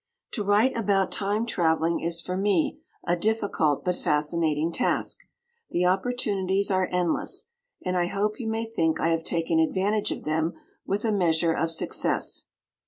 To write about Time traveling is for me a difficult but fascinating task. The opportunities are endless; and I hope you may think I have taken advantage of them with a measure of success.